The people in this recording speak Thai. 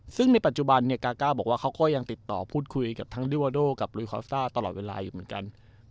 ซึ่งในปัจจุบันเนี่ยกาก้าบอกว่าเขาก็ยังติดต่อพูดคุยกับทั้งดิวาโดกับลุยคอสซ่าตลอดเวลาอยู่เหมือนกัน